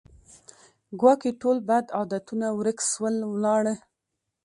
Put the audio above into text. ګواکي ټول بد عادتونه ورک سول ولاړه